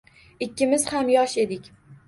Ikkimiz ham yosh edik